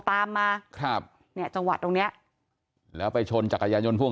ตามมาครับเนี่ยจังหวะตรงเนี้ยแล้วไปชนจักรยานยนต์พ่วง